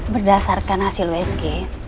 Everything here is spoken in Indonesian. berdasarkan hasil wsg